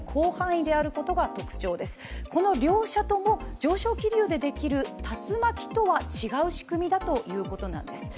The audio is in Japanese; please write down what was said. この両者とも上昇気流でできる竜巻とは違う仕組みだということです。